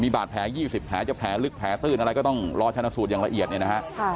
บาดแผล๒๐แผลจะแผลลึกแผลตื้นอะไรก็ต้องรอชนะสูตรอย่างละเอียดเนี่ยนะฮะ